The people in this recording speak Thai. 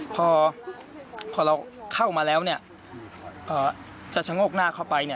พอเราเข้ามาแล้วจะชะโงกหน้าเข้าไป